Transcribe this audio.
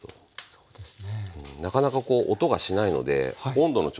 そうですね。